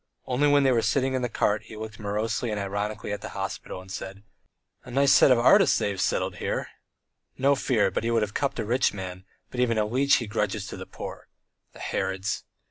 Only when they were sitting in the cart he looked morosely and ironically at the hospital, and said: "A nice set of artists they have settled here! No fear, but he would have cupped a rich man, but even a leech he grudges to the poor. The Herods!"